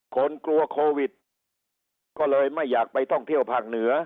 กลัวโควิดก็เลยไม่อยากไปท่องเที่ยวภาคเหนือ